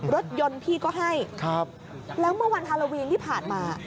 รถยนต์พี่ก็ให้แล้วเมื่อวันฮาโลวีนที่ผ่านมา